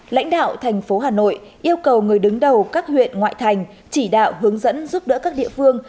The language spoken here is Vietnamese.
lãnh đạo thành phố hà nội yêu cầu người đứng đầu các huyện ngoại thành chỉ đạo hướng dẫn giúp đỡ các địa phương